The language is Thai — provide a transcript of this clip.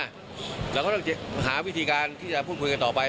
เราก็ต้องหาวิธีการที่จะพูดคุยกันต่อไป